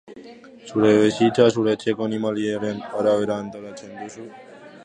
Zure bizitza zure etxeko animaliaren arabera antolatzen duzu?